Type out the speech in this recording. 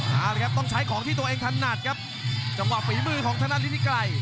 เอาละครับต้องใช้ของที่ตัวเองถนัดครับจังหวะฝีมือของทางด้านฤทธิไกร